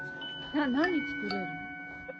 何作れるの？